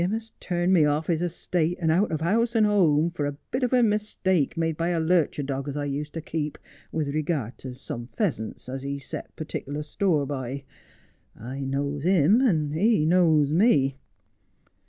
s turned me off his estate and out of house and home, for a bit of a mistake made by a lurcher dog as I used to keep, with regard to some pheasants as he set partieklar store by. I knows him and he knows me.